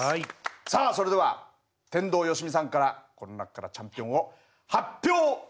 さあそれでは天童よしみさんからこの中からチャンピオンを発表頂きます。